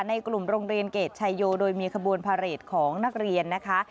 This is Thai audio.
ในกลุ่มโรงเรียนเกรดชายโยโดยมีขบวนพาเรทของนักเรียนนะคะ